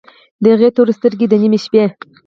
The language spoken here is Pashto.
د هغې تورسرکي، د نیمې شپې